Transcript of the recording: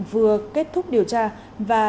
vừa kết thúc điều tra và